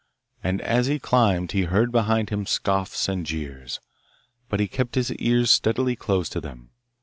And as he climbed he heard behind him scoffs and jeers, but he kept his ears steadily closed to them.